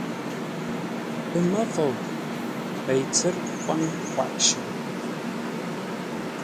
Pəmə́fou, Pei tsə́t kwáŋ kwaʼ shʉʼʉ.